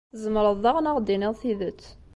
Tzemreḍ daɣen ad aɣ-d-tiniḍ tidet.